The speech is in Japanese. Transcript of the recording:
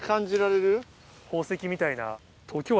宝石みたいな。